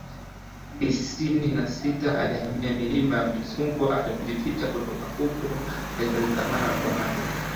tisini na sita alihamia milima ya Uzungwa alipojificha Kutoka huko alitelemka mara kwa mara